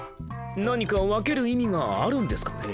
何か分ける意味があるんですかね？